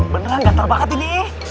beneran gatel banget ini